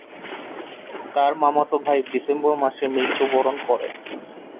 তার মামাতো ভাই ডিসেম্বর মাসে মৃত্যুবরণ করে।